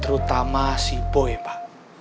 terutama si boy pak